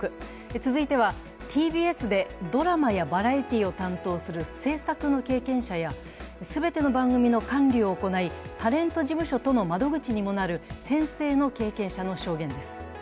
続いてはＴＢＳでドラマやバラエティーを担当する制作の経験者や全ての番組の管理を行い、タレント事務所との窓口にもなる編成部の経験者の証言です。